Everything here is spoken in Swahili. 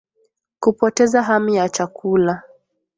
Kupoteza hamu ya chakula